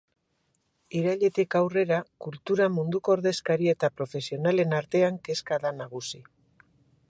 Irailetik aurrera, kultura munduko ordezkari eta profesionalen artean kezka da nagusi.